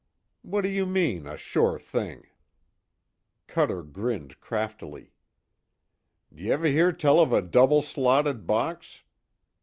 "What do you mean a sure thing?" Cuter grinned craftily: "D'ye ever hear tell of a double slotted box?